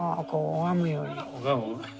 拝むように。